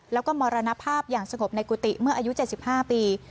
แล้วก็มรณภาพอย่างสงบในกุฏิเมื่ออายุเจ็บสิบห้าปี